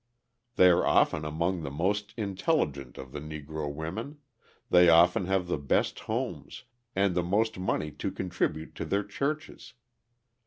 They are often among the most intelligent of the Negro women, they often have the best homes and the most money to contribute to their churches.